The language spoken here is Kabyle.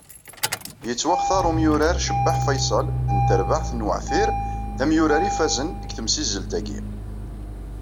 Yettwaxtar umyurar Cebbaḥ Fayṣel, n terbaɛt n Weɛfir, d amyurar ifazen deg temsizzelt-agi.